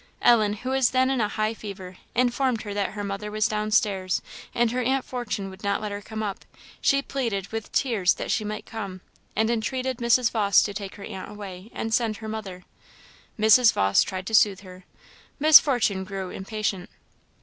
Ellen, who was then in a high fever, informed her that her mother was downstairs, and her aunt Fortune would not let her come up; she pleaded, with tears, that she might come, and entreated Mrs. Vawse to take her aunt away, and send her mother. Mrs. Vawse tried to soothe her. Miss Fortune grew impatient.